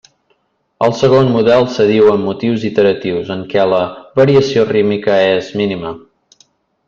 El segon model s'adiu amb motius iteratius, en què la variació rítmica és mínima.